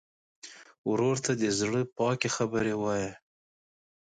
ورور ته د زړه پاکې خبرې وایې.